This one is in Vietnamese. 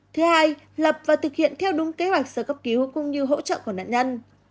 thứ hai lập và thực hiện theo đúng kế hoạch sơ cấp cứu cũng như hỗ trợ của nạn nhân